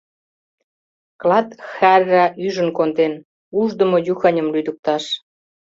— Клат хӓрра ӱжын конден, Ушдымо-Юханым лӱдыкташ.